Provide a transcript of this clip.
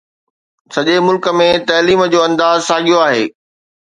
سڄي ملڪ ۾ تعليم جو انداز ساڳيو آهي.